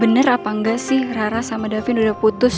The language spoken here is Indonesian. bener apa enggak sih rara sama davin udah putus